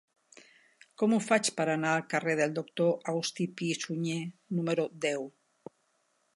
Com ho faig per anar al carrer del Doctor August Pi i Sunyer número deu?